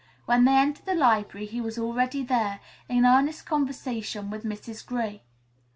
When they entered the library he was already there, in earnest conversation with Mrs. Gray.